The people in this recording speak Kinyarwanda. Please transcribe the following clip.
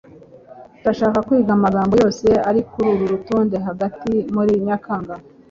ndashaka kwiga amagambo yose ari kururu rutonde hagati muri nyakanga